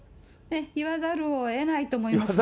言わざるをえないと思いますね。